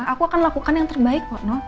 aku akan lakukan yang terbaik kok no